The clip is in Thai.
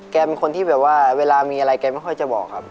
แกเป็นคนที่แบบว่าเวลามีอะไรแกไม่ค่อยจะบอกครับ